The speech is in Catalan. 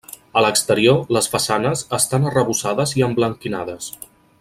A l'exterior, les façanes, estan arrebossades i emblanquinades.